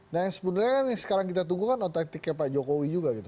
nah yang sebenarnya kan yang sekarang kita tunggu kan otentiknya pak jokowi juga gitu